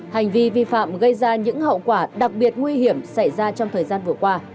hành vi vi phạm gây ra những hậu quả đặc biệt nguy hiểm xảy ra trong thời gian vừa qua